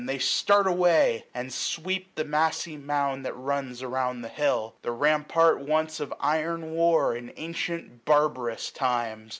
They start away, and sweep the massy mound That runs around the hill; the rampart once Of iron war, in antient barbarous times.